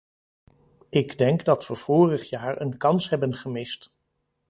Ik denk dat we vorig jaar een kans hebben gemist.